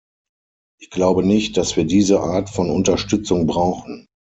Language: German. Ich glaube nicht, dass wir diese Art von Unterstützung brauchen.